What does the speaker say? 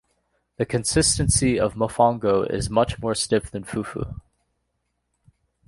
The consistency of mofongo is much more stiff than fufu.